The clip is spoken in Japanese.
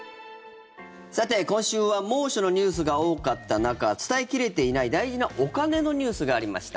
さて、今週は猛暑のニュースが多かった中伝え切れていない大事なお金のニュースがありました。